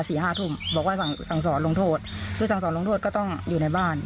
ห้าทุ่มบอกว่าสั่งสั่งสอนลงโทษคือสั่งสอนลงโทษก็ต้องอยู่ในบ้าน